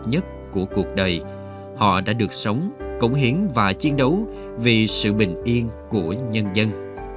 họ đã được sống cống hiến và chiến đấu vì sự bình yên của nhân dân